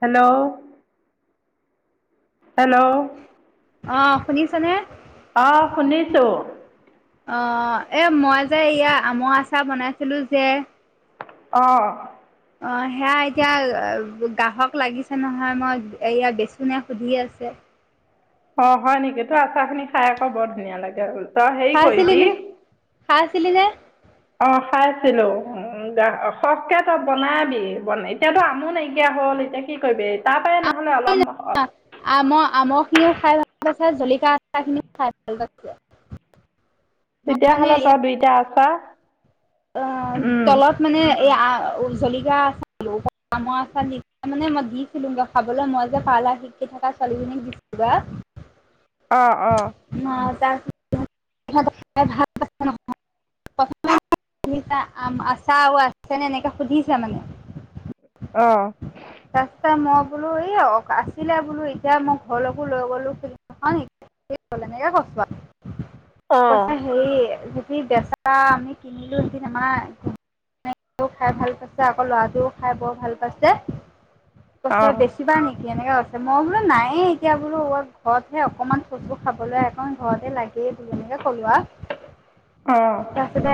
Hello? Hello? অ', শুনিছেনে? অ', শুনিছোঁ। অ', এই মই যে এয়া আমৰ আচাৰ বনাইছিলোঁ‌ যে অ'। অ', সেয়া এতিয়া গ্ৰাহক লাগিছে নহয়, মই এয়া বেচুনে সুধি আছে। অ', হয় নেকি? তোৰ আচাৰখিনি খাই আকৌ বৰ ধুনীয়া লাগে আৰু। খাইছিলি নে, খাইছিলি নে? অ', খাইছিলোঁ‌, [unintelligible] সৰহকে তই বনাবি, এতিয়াতো আমো নাইকিয়া হ'ল। কি কৰিবি? তাৰ পাই নহলে অলপ আম-আমৰ খিনিও খাই ভাল পাইছে, জলকিয়া আচাৰ খিনিও খাই ভাল পাইছে। মই মানে তেতিয়াহ'লে এয়া তই দুইটা আছাৰ অ', তলত মানে এই আ-জলিকীয়া আচাৰ দিলোঁ‌, ওপৰত আমৰ আচাৰ মানে মই দিছিলোঁ‌ গে খাবলে, মই যে পাৰ্লাৰ শিকি থকা ছোৱালী জনীক দিছিলোঁ‌ বা। অ'-অ'। [unintelligible] [unintelligible] আছাৰ আৰু আছেনে এনেকে সুধিছে মানে। অ [inaudible] তাৰপিছতে মই বোলো এই অ-আছিলে বোলো এতিয়া মই ঘৰলৈকো লৈ গ'লো সিদিনাখন। [unintelligible] অ কৈছে হেৰি, যদি বেচা আমি কিনিলোঁ‌ সেইদিন আমাৰ [unintelligible] ও খাই ভাল পাইছে, আকৌ ল'ৰাটোৱও খাই বৰ ভাল পাইছে। কৈছে অ বেচিবা নেকি, এনেকে কৈ মই বোলো নায়য়ে এতিয়া বোলো, ঘৰতহে অকণমান থৈছোঁ খাবলৈ অকণ ঘৰতে লাগেই বোলো এনেকে ক'লো আৰু। অ'। তাৰপিছতে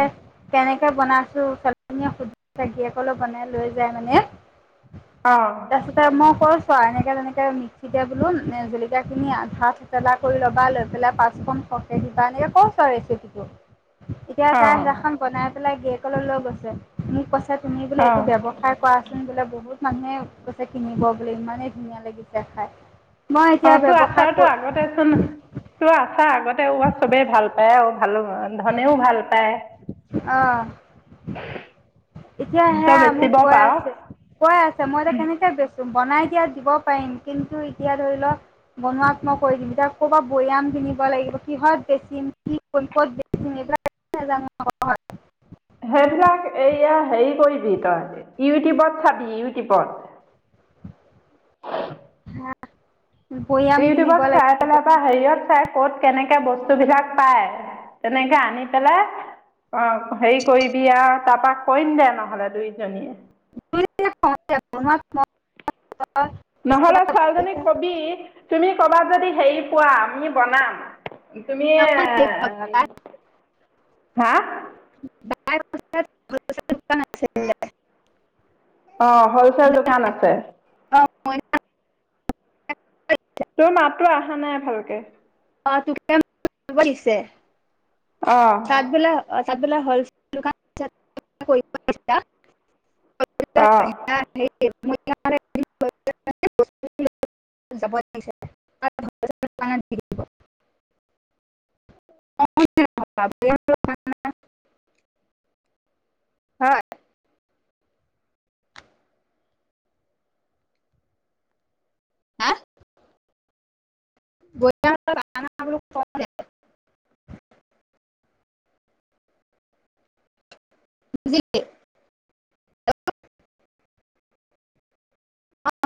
কেনেকে বনাইছোঁ‌ ছোৱালী জনীয়ে সুধিছে, গিৰিয়েকলে বনাই লৈ যায় মানে। অ'। তে মই কৈছোঁ‌ আৰু এনেকে তেনেকে আম তেতিয়া বোলো জলকীয়া খিনি আধা থেতেলা কৰি ল'বা, লৈ পেলাই পাঁচফোৰণ সৰহকে দিবা, এনেকে কৈছোঁ আৰু ৰেচিপিটো, এতিয়া তাই সেইদিনাখন অ বনাই পেলাই গিৰিয়েকলে লৈ গৈছে, মোক কৈছে তুমি বোলে এইটো অ ব্যৱসা সায় কৰাচোন বোলে, বহুত মানুহে কৈছে কিনিব বোলে ইমানেই ধুনীয়া লাগিছে খাই। মই অ এতিয়া তোৰ ব্যৱসায় আচাৰতো কৰ [unintelligible] তোৰ আছাৰ আগতে ৱ চবেই ভাল পায় আৰু ভালো হয়। ধনেও ভাল পায়। অ এতিয়া তই সেয়া মোক বেচিব কৈ পাৰ আছে, কৈ আছে মই এতিয়া কেনেকে বেছ বনাই দিয়াত দিব পাৰিম, কিন্তু এতিয়া ধৰি লওক বনোৱাত মই কৰি দিম, এতিয়া ক'বাত বৈয়াম কিনিব লাগিব, কিহত বেছিম, কি কৰিম, ক'ত বে [unintelligible] সেইবিলাক এইয়া হেৰি কৰিবি তই, ইউটিউবত চাবি ইউটিউবত। বৈয়াম কিনিব ইউটিউবত লাগিব চাই পেলাই ত পৰা হেৰিয়ত চাই ক'ত কেনেকে বস্তু বিলাক পায় তেনেকে আনি পেলে। অঁ হেৰি কৰিবি আৰু তাৰপা কৰিম দে নহ'লে দুইজনীয়ে। [inaudible] নহলে ছোৱালীজনীক কবি তুমি কৰ'বাত যদি হেৰি পোৱা আমি বনাম। তুমিয়ে। হা? অঁ হলচেল দোকান আছে। [inaudible] তোৰ মাততো আহা নাই ভালকে। [inaudible] অ'। তাত বোলে অ' তাত বোলে হলচেল দোকান অ', অ'। [inaudible] [inaudible] [inaudible] [inaudible] [inaudible] বুজিলি?